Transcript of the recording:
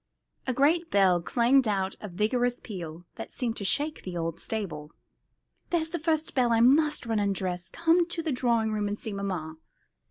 A great bell clanged out with a vigorous peal, that seemed to shake the old stable. "There's the first bell. I must run and dress. Come to the drawing room and see mamma."